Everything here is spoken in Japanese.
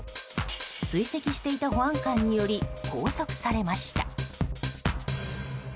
追跡していた保安官により拘束されました。